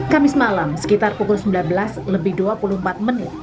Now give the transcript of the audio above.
kamis malam sekitar pukul sembilan belas lebih dua puluh empat menit